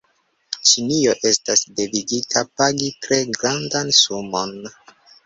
Ĉinio estas devigita pagi tre grandan sumon.